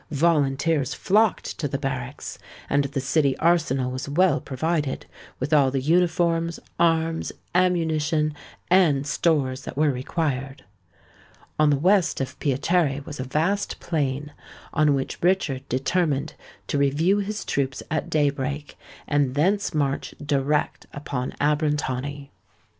Volunteers flocked to the barracks; and the city arsenal was well provided with all the uniforms, arms, ammunition, and stores that were required. On the west of Piacere was a vast plain, on which Richard determined to review his troops at day break, and thence march direct upon Abrantani.